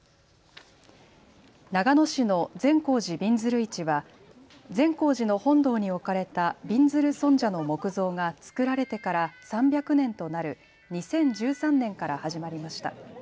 長野市の善光寺びんずる市は善光寺の本堂に置かれたびんずる尊者の木像が作られてから３００年となる２０１３年から始まりました。